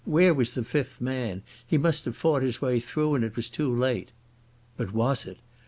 Where was the fifth man? He must have fought his way through, and it was too late. But was it?